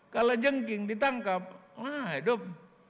kalau jengking ditangkap wah hidup